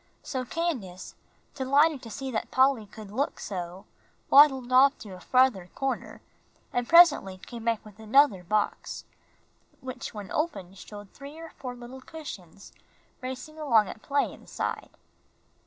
So Candace, delighted to see that Polly could look so, waddled off to a farther corner, and presently came back with another box, which when opened showed three or four little cushions racing along at play inside.